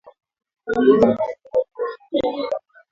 Dalili za ugonjwa kwa mnyama aliyekufa